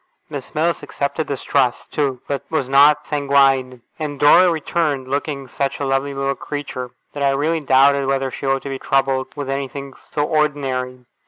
Miss Mills accepted this trust, too; but was not sanguine. And Dora returned, looking such a lovely little creature, that I really doubted whether she ought to be troubled with anything so ordinary.